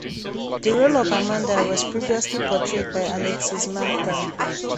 The role of Amanda was previously portrayed by Alexis Manta.